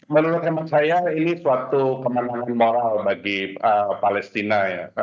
menurut teman saya ini suatu kemenangan moral bagi palestina ya